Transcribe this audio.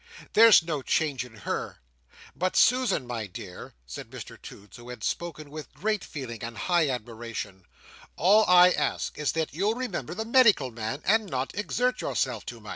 There's no change in her. But, Susan, my dear," said Mr Toots, who had spoken with great feeling and high admiration, "all I ask is, that you'll remember the medical man, and not exert yourself too much!"